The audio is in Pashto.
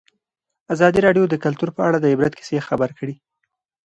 ازادي راډیو د کلتور په اړه د عبرت کیسې خبر کړي.